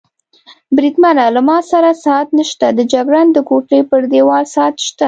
بریدمنه، له ما سره ساعت نشته، د جګړن د کوټې پر دېوال ساعت شته.